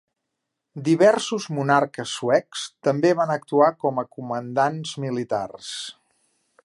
Diversos monarques suecs també van actuar com a comandants militars.